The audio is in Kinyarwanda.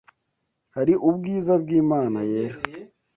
hari ubwiza bw’Imana yera.